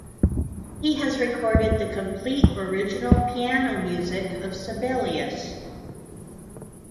He has recorded the complete original piano music of Sibelius.